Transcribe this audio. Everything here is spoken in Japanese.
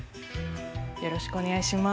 よろしくお願いします。